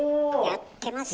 やってますよ。